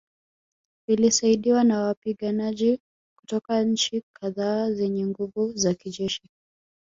Vilisaidiwa na wapiganaji kutoka nchi kadhaa zenye nguvu za kijeshi